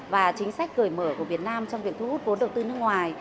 và chính sách cởi mở của việt nam trong việc thu hút vốn đầu tư nước ngoài